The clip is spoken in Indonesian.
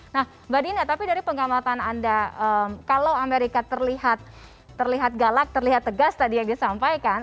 nah mbak dina tapi dari pengamatan anda kalau amerika terlihat galak terlihat tegas tadi yang disampaikan